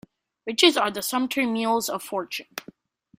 Riches are the sumpter mules of fortune.